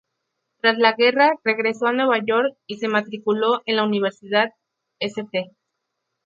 Tras la guerra, regresó a Nueva York, y se matriculó en la Universidad St.